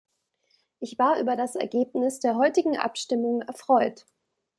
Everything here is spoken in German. Ich war über das Ergebnis der heutigen Abstimmung erfreut.